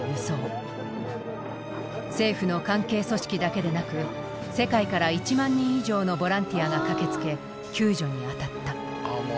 政府の関係組織だけでなく世界から１万人以上のボランティアが駆けつけ救助に当たった。